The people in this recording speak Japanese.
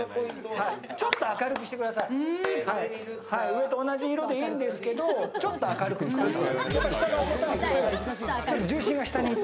上と同じ色でいいんですけど、ちょっと明るくしてください。